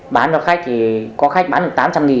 bán cho khách thì có khách bán được